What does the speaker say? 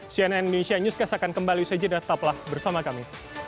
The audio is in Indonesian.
cnn indonesia newscast akan kembali bersama saya dan tetaplah bersama kami